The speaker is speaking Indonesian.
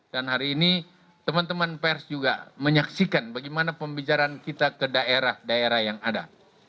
dan hari ini teman teman pers juga menyaksikan bagaimana pembicaraan kita ke daerah daerah yang ada